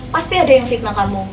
pasti ada yang fitnah kamu